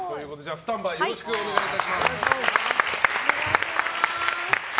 スタンバイよろしくお願いいたします。